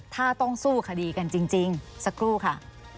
ถ้าต้องสู้คดีกันจริงสักครู่ค่ะ